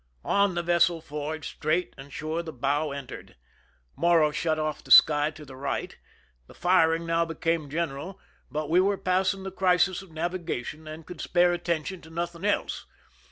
On the vessel forged, straight and sure the bow entered. Morro shut off the sky to the right. The firing now became gen eral, but we were passing the crisis of navigation and could spare attention to nothing else.